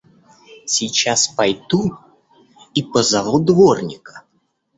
Сейчас пойду и позову дворника!